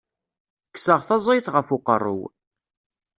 Kkseɣ taẓayt ɣef uqerru-w.